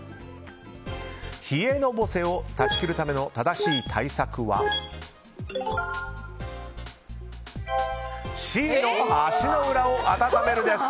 冷えのぼせを断ち切るための正しい対策はＣの足の裏を温めるです！